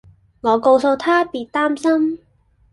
我告訴她別擔心